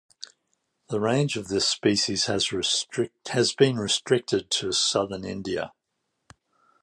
The range of this species has been restricted to southern India.